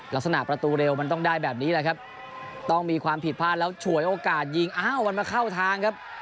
ประตูเร็วมันต้องได้แบบนี้แหละครับต้องมีความผิดพลาดแล้วฉวยโอกาสยิงอ้าวมันมาเข้าทางครับ